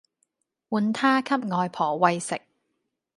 換她給外婆餵食